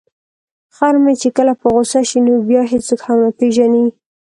خر مې چې کله په غوسه شي نو بیا هیڅوک هم نه پيژني.